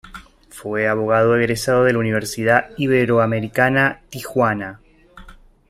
Fue abogado egresado de la Universidad Iberoamericana Tijuana.